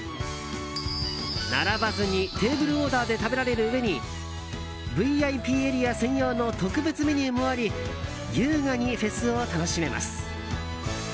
並ばずにテーブルオーダーで食べられるうえにＶＩＰエリア専用の特別メニューもあり優雅にフェスを楽しめます。